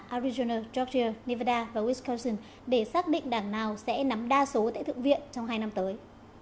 arizona georgia nevada và wisconson để xác định đảng nào sẽ nắm đa số tại thượng viện trong hai năm tới